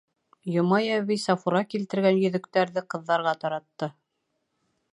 Йомай әбей Сафура килтергән йөҙөктәрҙе ҡыҙҙарға таратты.